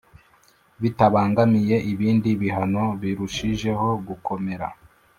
Bitabangamiye ibindi bihano birushijeho gukomera